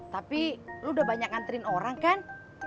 tapi lo udah banyak nganterin orang kan